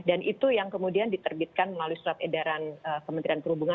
dan itu yang kemudian diterbitkan melalui surat edaran kementerian perhubungan